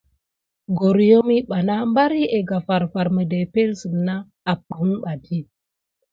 Goryom miɓanà aprisa ɗi nà na kaɗa kulin nà kinsé berinie.